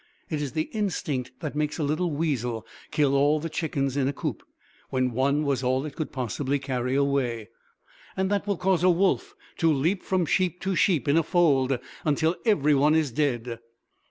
It is the instinct that makes a little weasel kill all the chickens in a coop, when one was all it could possibly carry away, and that will cause a wolf to leap from sheep to sheep in a fold until every one is dead.